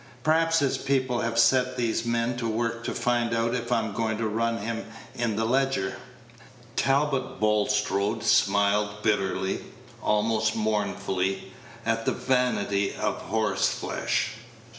Perhaps his people have set these men to work to find out if I'm going to run him in the Leger." Talbot Bulstrode smiled bitterly, almost mournfully, at the vanity of horseflesh.